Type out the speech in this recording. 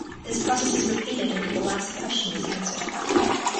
This process is repeated until the last question is answered.